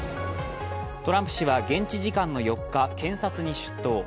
トランプ氏は現地時間の４日、検察に出頭。